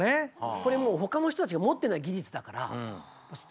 これもう他の人たちが持ってない技術だからかなり大事にされた。